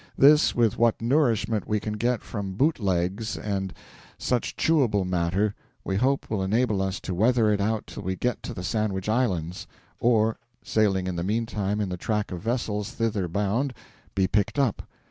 This, with what nourishment we can get from boot legs and such chewable matter, we hope will enable us to weather it out till we get to the Sandwich Islands, or, sailing in the meantime in the track of vessels thither bound, be picked up.